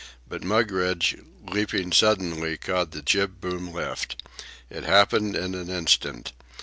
But Mugridge, leaping suddenly, caught the jib boom lift. It happened in an instant.